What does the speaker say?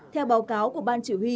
theo báo cáo của ban chỉ huy